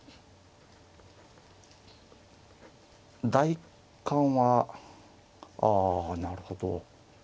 第一感はあなるほど。